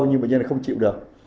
nhưng bệnh nhân là không chịu được